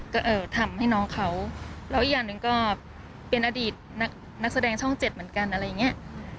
ก็ทำให้น้องเขาแล้วอีกอย่างหนึ่งก็เป็นอดีตนักแสดงช่องเจ็ดเหมือนกันอะไรอย่างเงี้ย